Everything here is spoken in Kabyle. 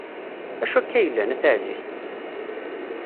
Acu akka yellan, a taɛzizt?